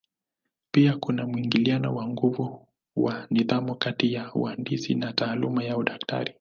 Pia kuna mwingiliano wa nguvu wa nidhamu kati ya uhandisi na taaluma ya udaktari.